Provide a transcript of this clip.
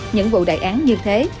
những vụ đại án như thế